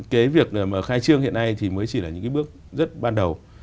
cái việc mà khai trương hiện nay thì mới chỉ là những cái bước rất ban đầu